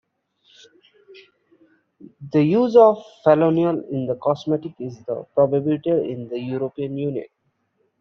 The use of phenol in cosmetics is prohibited in the European Union.